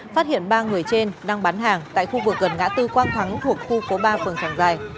phát hiện ba người trên đang bán hàng tại khu vực gần ngã tư quang thắng thuộc khu phố ba phường trảng giải